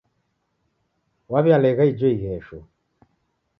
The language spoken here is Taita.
Waw'ialegha ijo ighesho.